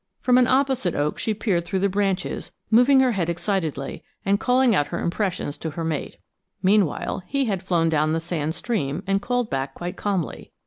From an opposite oak she peered through the branches, moving her head excitedly, and calling out her impressions to her mate. Meanwhile, he had flown down the sand stream and called back quite calmly.